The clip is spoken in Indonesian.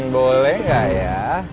boleh gak ya